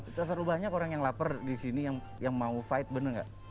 itu terlalu banyak orang yang lapar disini yang mau fight bener gak